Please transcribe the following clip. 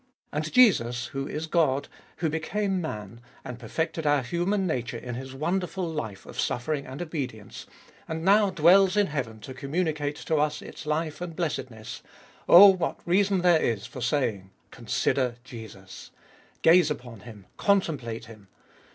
And Jesus, who is God, who became man, and perfected our 104 abe Ibolfest of nil human nature in His wonderful life of suffering and obedience, and now dwells in heaven to communicate to us its life and blessedness — oh, what reason there is for saying, Consider Jesus. Gaze upon Him, contemplate Him.